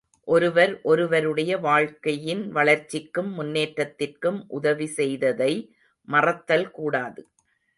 ஒருவர், ஒருவருடைய வாழ்க்கையின் வளர்ச்சிக்கும், முன்னேற்றத்திற்கும் உதவி செய்ததை மறத்தல் கூடாது.